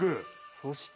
そして？